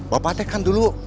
bapak teng kan dulu